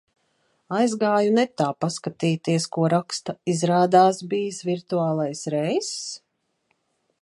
Aizgāju netā paskatīties, ko raksta, izrādās bijis virtuālais reiss?